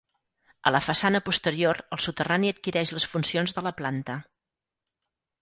A la façana posterior el soterrani adquireix les funcions de la planta.